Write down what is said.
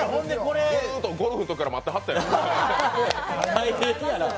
ずっとゴルフのときから待ってはったんや。